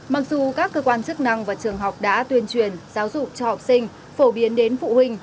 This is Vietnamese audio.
mặc dù các cơ quan chức năng và trường học đã tuyên truyền giáo dục cho học sinh phổ biến đến phụ huynh